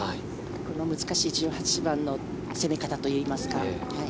この難しい１８番の攻め方といいますか。